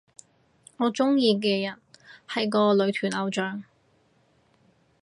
我鍾意嘅人係個女團偶像